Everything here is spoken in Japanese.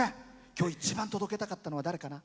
今日一番届けたかったのは誰かな？